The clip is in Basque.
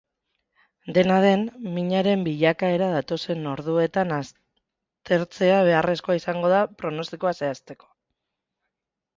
Dena den, minaren bilakaera datozen orduetan aztertzea beharrezkoa izango da pronostikoa zehazteko.